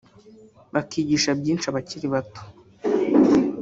bikigisha byinshi abakiri bato